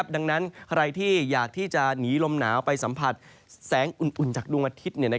ดังนั้นใครที่อยากที่จะหนีลมหนาวไปสัมผัสแสงอุ่นจากดวงอาทิตย์